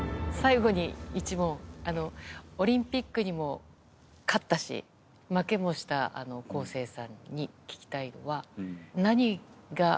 オリンピックにも勝ったし負けもした康生さんに聞きたいのは。